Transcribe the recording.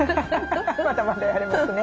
まだまだやれますね。